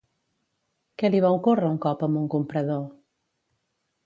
Què li va ocórrer un cop amb un comprador?